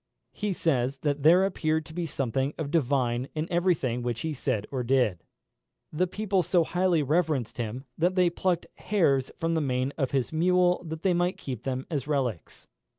He says, that there appeared to be something of divine in every thing which he said or did. The people so highly reverenced him, that they plucked hairs from the mane of his mule that they might keep them as relics.